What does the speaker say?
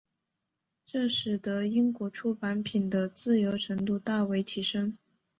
这使得英国出版品的自由程度大为提升。